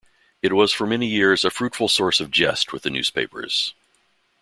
It was for many years a fruitful source of jest with the newspapers.